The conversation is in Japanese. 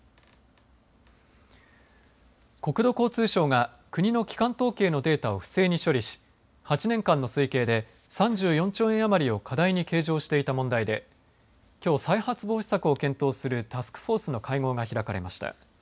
国土交通省が国の基幹統計のデータを不正に処理し８年間の推計で３４兆円余りを過大に計上していた問題できょう再発防止策を検討するタスクフォースの会合が開かれました。